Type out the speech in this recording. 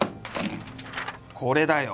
これだよ。